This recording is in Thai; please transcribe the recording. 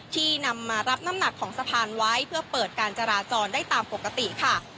ที่นำมารับน้ำหนักของสะพานไว้เพื่อเปิดการจราจรได้ตามปกติค่ะ